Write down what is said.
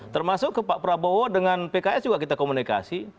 termasuk ke pak prabowo dengan pks juga kita komunikasi